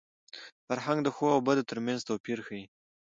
فرهنګ د ښو او بدو تر منځ توپیر ښيي.